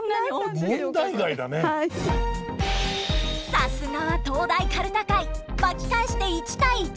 さすがは東大かるた会巻き返して１対１。